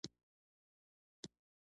احمد سږ کال په تجارت کې ډېر غورځېدلی دی.